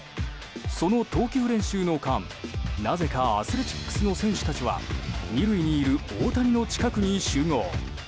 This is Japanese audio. その投球練習の間なぜかアスレチックスの選手たちは２塁にいる大谷の近くに集合。